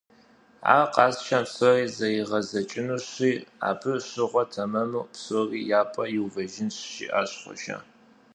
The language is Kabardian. А къасшэм псори къызэригъэдзэкӀынущи, абы щыгъуэ тэмэму псори я пӀэм иувэжынщ, - жиӀащ Хъуэжэ.